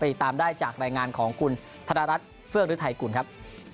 ไปตามได้จากรายงานของคุณธรรมรัฐเฟือกฤทธิ์ไทยกลุ่นครับ